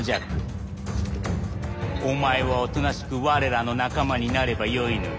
お前はおとなしく我らの仲間になればよいのだ。